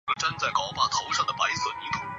斛斯椿之孙。